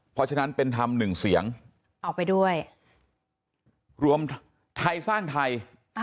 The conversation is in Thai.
เพราะฉะนั้นเป็นธรรมหนึ่งเสียงออกไปด้วยรวมไทยสร้างไทย